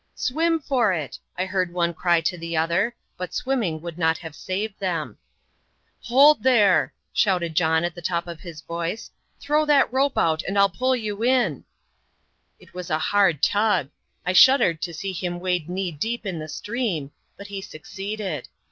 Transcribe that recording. "Swim for it!" I heard one cry to the other: but swimming would not have saved them. "Hold there!" shouted John at the top of his voice; "throw that rope out and I will pull you in!" It was a hard tug: I shuddered to see him wade knee deep in the stream but he succeeded.